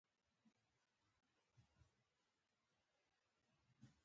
شېخ حمید لومړی لودي پاچا وو.